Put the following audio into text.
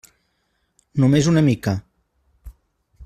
Només una mica.